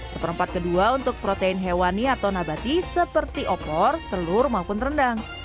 seperempat kedua untuk protein hewani atau nabati seperti opor telur maupun rendang